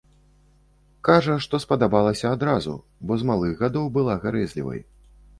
Кажа, што спадабалася адразу, бо з малых гадоў была гарэзлівай.